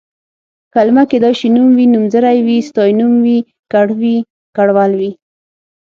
کلمه کيدای شي نوم وي، نومځری وي، ستاینوم وي، کړ وي، کړول وي...